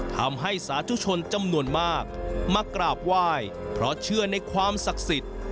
สาธุชนจำนวนมากมากราบไหว้เพราะเชื่อในความศักดิ์สิทธิ์